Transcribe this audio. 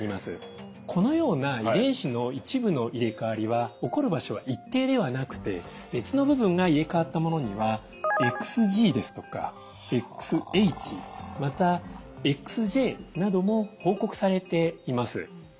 このような遺伝子の一部の入れ替わりは起こる場所は一定ではなくて別の部分が入れ替わったものにはＸＧですとかＸＨまたＸＪなども報告されています。